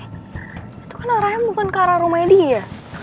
itu kan arahnya bukan ke arah rumahnya dia